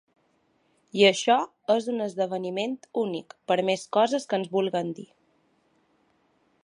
I això és un esdeveniment únic, per més coses que ens vulguen dir.